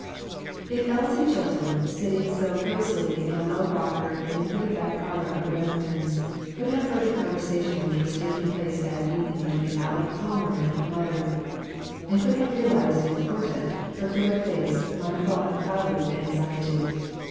IF Elsie Chilton, sitting so cosily in a low rocker in the pretty back parlor of the Remingtons, could have heard the conversation which was tak ing place that evening between Aleck Palmer and her mother, and could have realized its portent, her fair face might well have clouded with anx iety.